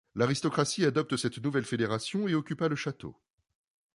L'aristocratie adopte cette nouvelle fédération et occupa le château.